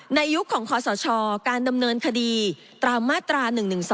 ยุคของคศการดำเนินคดีตามมาตรา๑๑๒